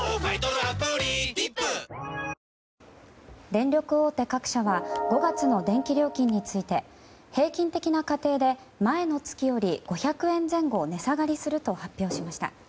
電力大手各社は５月の電気料金について平均的な家庭で前の月より５００円前後値下がりすると発表しました。